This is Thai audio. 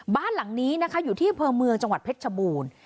บ้านหลังนี้นะคะอยู่ที่อำเภอเมืองจังหวัดเพชรชบูรณ์